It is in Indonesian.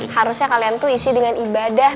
harusnya kalian tuh isi dengan ibadah